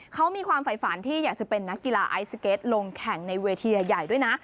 เขามีความฝ่ายฝันที่อยากจะเป็นนักกีฬาไอซเก็ตลงแข่งในเวทีใหญ่ด้วยนะ